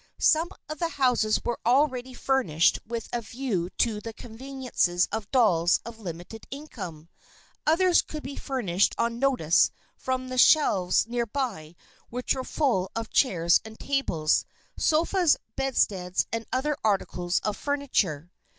Some of the houses were already furnished with a view to the conveniences of dolls of limited income; others could be furnished on notice from the shelves nearby which were full of chairs and tables, sofas, bedsteads, and other articles of furniture.